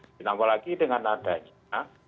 terutama lagi dengan adanya